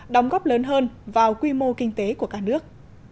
đóng góp lớn hơn vào quy mô kinh tế của cả nước